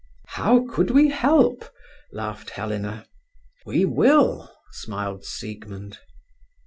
"How could we help?" laughed Helena. "We will," smiled Siegmund.